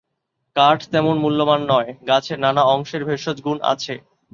কাঠ তেমন মূল্যমান নয়, গাছের নানা অংশের ভেষজগুণ আছে।